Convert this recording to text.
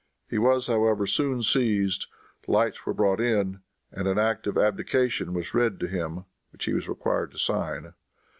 He was however soon seized, lights were brought in, and an act of abdication was read to him which he was required to sign.